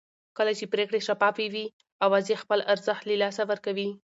کله چې پرېکړې شفافې وي اوازې خپل ارزښت له لاسه ورکوي